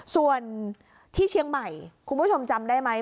ส่วนที่เชียงใหม่คุณผู้ชมจำได้ไหม